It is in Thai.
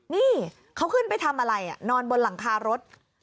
นี่เขาขึ้นไปทำอะไรนอนบนหลังคารถ